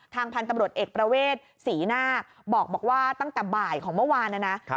พันธุ์ตำรวจเอกประเวทศรีนาคบอกว่าตั้งแต่บ่ายของเมื่อวานนะนะ